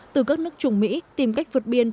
từ các nước chủng mỹ tìm cách vượt biên